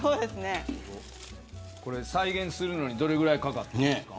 これ再現するのにどのぐらいかかったんですか。